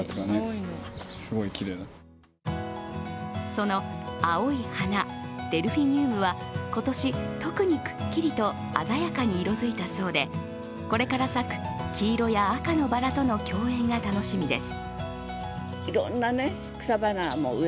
その青い花、デルフィニウムは今年特にくっきりと鮮やかに色づいたそうで、これから咲く黄色や赤のバラとの競演が楽しみです。